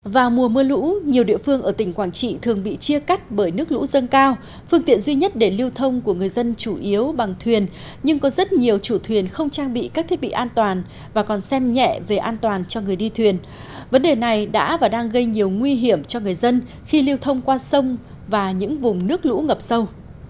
vào mùa mưa lũ nhiều địa phương ở tỉnh quảng trị thường bị chia cắt bởi nước lũ dâng cao phương tiện duy nhất để lưu thông của người dân chủ yếu bằng thuyền nhưng có rất nhiều chủ thuyền không trang bị các thiết bị an toàn và còn xem nhẹ về an toàn cho người đi thuyền vấn đề này đã và đang gây nhiều nguy hiểm cho người dân khi lưu thông qua sông và những vùng nước lũ ngập sâu